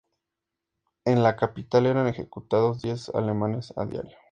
En la capital eran ejecutados diez alemanes a diario.